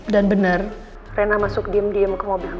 dan bener reina masuk diem diem ke mobil mama